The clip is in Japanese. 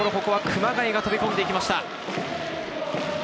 熊谷が飛び込んでいきました。